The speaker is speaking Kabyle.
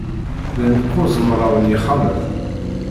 Llan kuẓ mraw n yexxamen